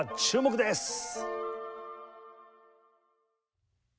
注目です！